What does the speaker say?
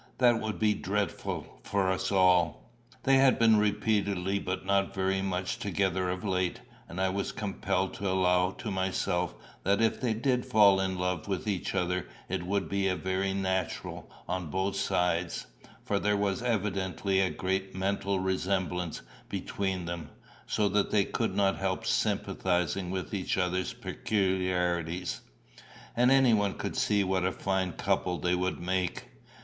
That would be dreadful for us all." They had been repeatedly but not very much together of late, and I was compelled to allow to myself that if they did fall in love with each other it would be very natural on both sides, for there was evidently a great mental resemblance between them, so that they could not help sympathising with each other's peculiarities. And anyone could see what a fine couple they would make.